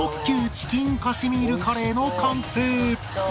チキンカシミールカレーの完成